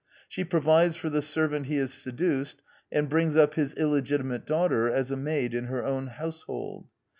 She provides for the servant he has seduced, and brings up his illegitimate daughter as a maid in her own house hold.